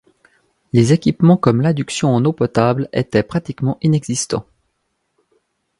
Les équipements comme l’adduction en eau potable étaient pratiquement inexistants.